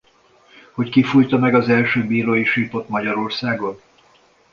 Hogy ki fújta meg az első bírói sípot Magyarországon?